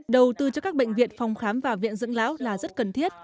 đầu tư cho các bệnh viện phòng khám và viện dưỡng lão là rất cần thiết